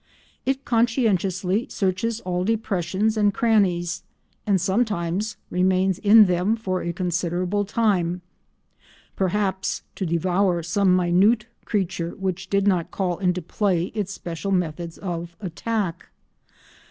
It conscientiously searches all depressions and crannies, and, sometimes remains in them for a considerable time—perhaps to devour some minute creature which did not call into play its special methods of attack.